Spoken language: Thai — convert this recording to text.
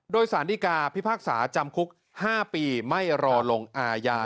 โดยสารดีกาพิพากษาจำคุก๕ปีไม่รอลงอาญา